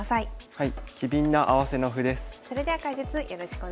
はい。